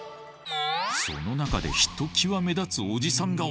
その中でひときわ目立つオジサン顔。